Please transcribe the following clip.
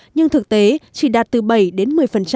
nhưng thực tế chỉ đạt từ bảy đến một mươi